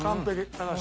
高橋。